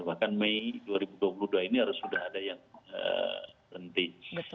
bahkan mei dua ribu dua puluh dua ini harus sudah ada yang berhenti